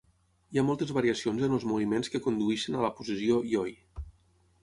Hi ha moltes variacions en els moviments que condueixen a la posició "yoi".